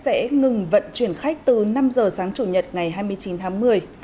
sẽ ngừng vận chuyển khách từ năm giờ sáng chủ nhật ngày hai mươi chín tháng một mươi